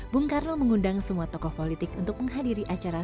bung karno mengundang semua tokoh politik untuk menghadiri acara